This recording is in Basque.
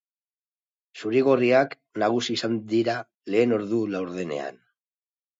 Zurigorriak nagusi izan dira lehen ordu laurdenean.